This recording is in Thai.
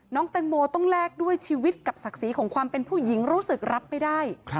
แตงโมต้องแลกด้วยชีวิตกับศักดิ์ศรีของความเป็นผู้หญิงรู้สึกรับไม่ได้